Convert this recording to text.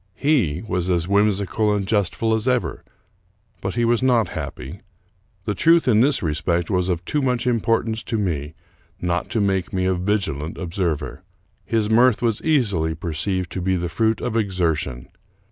He was as whimsical and jestful as ever, but he was not happy. The truth in this respect w^as of too much impor tance to me not to make me a vigilant observer. His mirth was easily perceived to be the fruit of exertion.